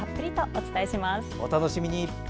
お楽しみに。